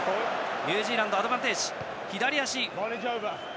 ニュージーランドアドバンテージ。